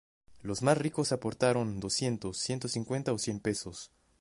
Los más ricos aportaron doscientos, ciento cincuenta o cien pesos.